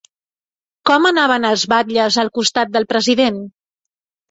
Com anaven els batlles al costat del president?